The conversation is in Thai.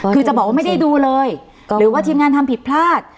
คือจะบอกว่าไม่ได้ดูเลยหรือว่าทีมงานทำผิดพลาด